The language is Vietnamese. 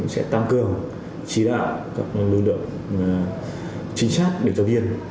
sẽ tăng cường chỉ đạo các lưu lượng chính xác điều tra viên